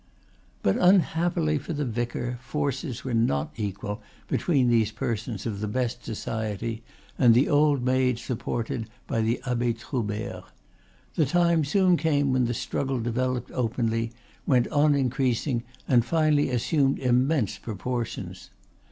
But, unhappily for the vicar, forces were not equal between these persons of the best society and the old maid supported by the Abbe Troubert. The time soon came when the struggle developed openly, went on increasing, and finally assumed immense proportions.